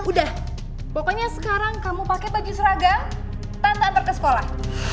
udah pokoknya sekarang kamu pake baju seragam tante antar ke sekolah